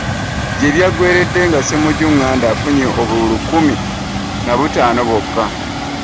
Gye byaggweeredde nga Ssemujju ŋŋanda afunye obululu kkumi na butaano bwokka